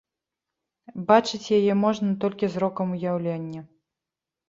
Бачыць яе можна толькі зрокам уяўлення.